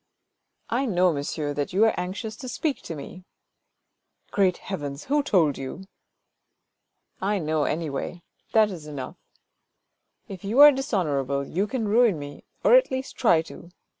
" I know, monsieur, that you are anxious to speak to me." " Great heavens ! who told you ?"" I know, anyway ; that is enough. If you are dishonour able, you can ruin me, or at least try to.